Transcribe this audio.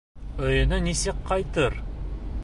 Өйөнә нисек ҡайтыр?!